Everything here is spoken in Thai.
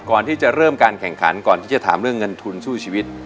ก่อนที่จะเริ่มการแข่งขันก่อนที่จะถามเรื่องเงินทุนสู้ชีวิต